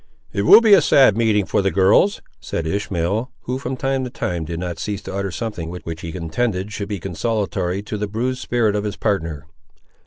"It will be a sad meeting for the girls!" said Ishmael, who, from time to time, did not cease to utter something which he intended should be consolatory to the bruised spirit of his partner.